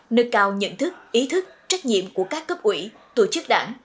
nâng cao nhận thức ý thức trách nhiệm của các cấp ủy tổ chức đảng